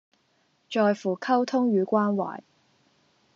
在乎溝通與關懷